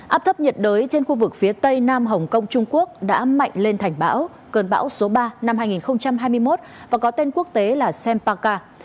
áp thấp nhiệt đới trên khu vực phía tây nam hồng kông trung quốc đã mạnh lên thành bão cơn bão số ba năm hai nghìn hai mươi một và có tên quốc tế là sampaka